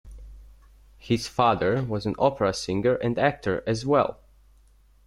His father was an opera singer and actor as well.